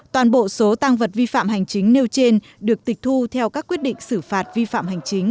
toàn bộ số tăng vật vi phạm hành chính nêu trên được tịch thu theo các quyết định xử phạt vi phạm hành chính